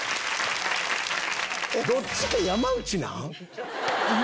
どっちか山内なん？